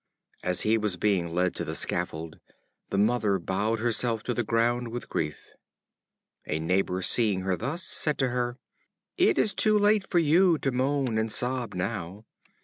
As he was being led to the scaffold, the mother bowed herself to the ground with grief. A neighbor seeing her thus, said to her: "It is too late for you to moan and sob now.